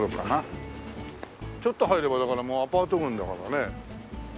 ちょっと入ればだからもうアパート群だからね。